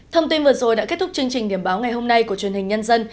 thông tin vừa rồi đã kết thúc chương trình điểm báo ngày hôm nay của truyền hình nhân dân